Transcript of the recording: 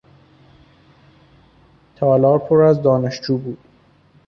تالار پر از دانشجو بود.